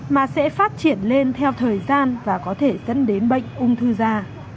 mà sẽ phát triển lên theo thời gian và có thể dẫn đến bệnh ung thư da